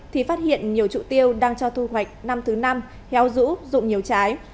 thì phát hiện nhiều trụ tiêu đang cho thu hoạch năm thứ năm héo rũ rụng nhiều trái